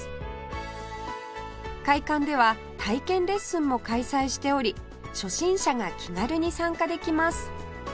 会館では体験レッスンも開催しており初心者が気軽に参加できます